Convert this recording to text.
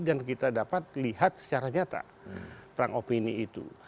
dan kita dapat lihat secara nyata perang opini itu